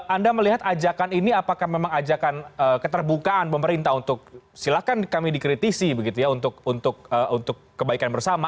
anda melihat ajakan ini apakah memang ajakan keterbukaan pemerintah untuk silakan kami dikritisi begitu ya untuk kebaikan bersama